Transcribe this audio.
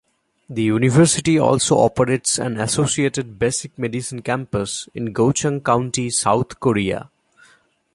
The university also operates an associated Basic Medicine campus in Geochang County, South Korea.